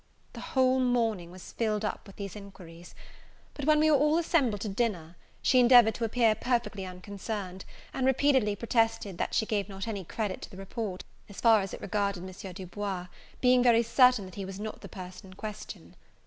The whole morning was filled up with these inquiries. But when we were all assembled to dinner, she endeavoured to appear perfectly unconcerned, and repeatedly protested that she gave not any credit to the report, as far as it regarded M. Du Bois, being very certain that he was not the person in question.